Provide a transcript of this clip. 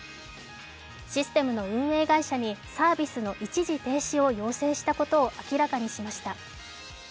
システムの運営会社にサービスの一時停止を要請したことを明らかにしました。